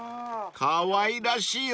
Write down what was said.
［かわいらしいお店！